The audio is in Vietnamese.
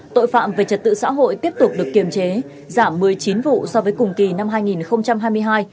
tội phạm về trật tự xã hội tiếp tục được kiềm chế giảm một mươi chín vụ so với cùng kỳ năm hai nghìn hai mươi hai